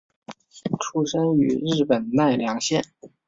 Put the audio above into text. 出身于日本奈良县。